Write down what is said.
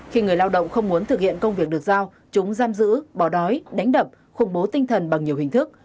khi người lao động không muốn thực hiện công việc được giao chúng giam giữ bỏ đói đánh đập khủng bố tinh thần bằng nhiều hình thức